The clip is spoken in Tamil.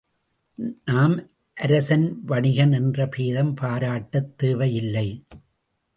நாம் அரசன் வணிகன் என்ற பேதம் பாராட்டத் தேவை இல்லை.